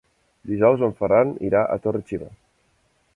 Dijous en Ferran irà a Torre-xiva.